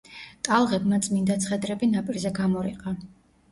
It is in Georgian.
ტალღებმა წმინდა ცხედრები ნაპირზე გამორიყა.